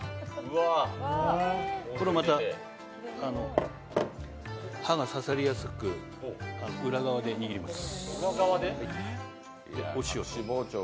これまた歯が刺さりやすく裏側で握ります。